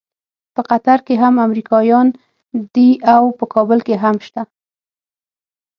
په قطر کې هم امریکایان دي او په کابل کې هم شته.